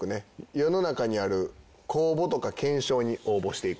世の中にある公募とか懸賞に応募していく。